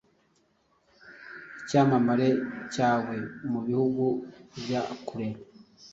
Icyamamare cyawe mu bihugu bya kure